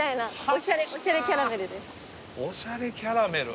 おしゃれキャラメル。